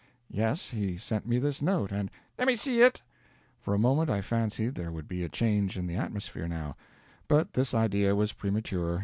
"Yes, he sent me this note, and " "Lemme see it." For a moment I fancied there would be a change in the atmosphere, now; but this idea was premature.